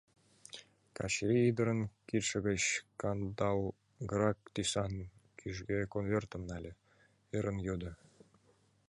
Качырий ӱдырын кидше гыч кандалгырак тӱсан кӱжгӧ конвертым нале, ӧрын йодо: